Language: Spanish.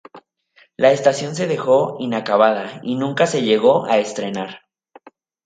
La estación se dejó inacabada y nunca se llegó a estrenar.